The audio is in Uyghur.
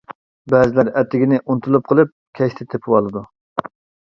بەزىلەر ئەتىگىنى ئۇنتۇلۇپ قېلىپ، كەچتە تېپىۋالىدۇ.